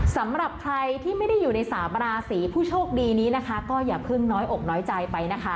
สำหรับใครที่ไม่ได้อยู่ในสามราศีผู้โชคดีนี้นะคะก็อย่าเพิ่งน้อยอกน้อยใจไปนะคะ